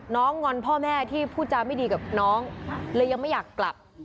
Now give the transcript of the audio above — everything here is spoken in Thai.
งอนพ่อแม่ที่พูดจาไม่ดีกับน้องเลยยังไม่อยากกลับ